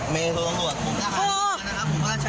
เมย์โทรตรงตรวจ